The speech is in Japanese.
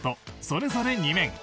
それぞれ２面。